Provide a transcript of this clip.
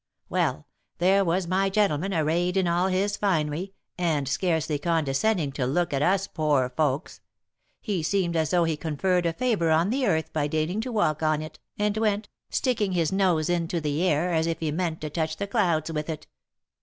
Well, there was my gentleman arrayed in all his finery, and scarcely condescending to look at us poor folks; he seemed as though he conferred a favour on the earth by deigning to walk on it, and went, sticking his nose into the air, as if he meant to touch the clouds with it.